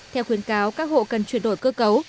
theo khuyến cáo các hộ cần chuyển đổi cơ cấu